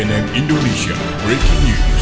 cnn indonesia breaking news